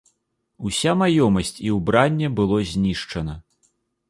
Уся маёмасць і ўбранне было знішчана.